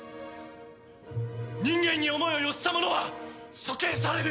人間に思いを寄せた者は処刑される！